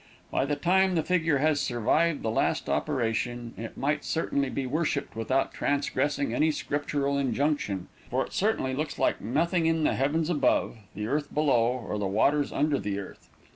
By the time the figure has survived the last operation, it might certainly be worshipped without transgressing any scriptural injunction, for it certainly looks like nothing in "the heavens above, the earth below, or the waters under the earth."